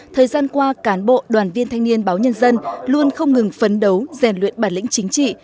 thời gian qua cán bộ đoàn viên thanh niên báo nhân dân luôn không ngừng phấn đấu rèn luyện bản lĩnh chính trị